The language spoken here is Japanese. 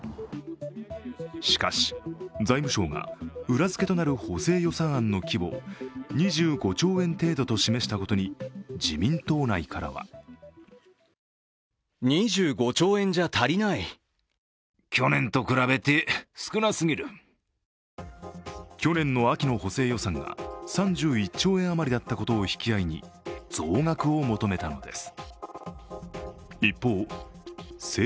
しかし、財務省が裏づけとなる補正予算案の規模を２５兆円程度と示したことに自民党内からは去年の秋の補正予算が３１兆円あまりだったことを引き合いに増額を求めたのです。